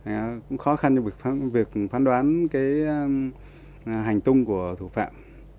nó cũng khó khăn cho việc phán đoán cái hành tung của thủ phạm